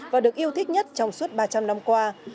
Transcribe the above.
và được yêu thích nhất trong suốt ba trăm linh năm qua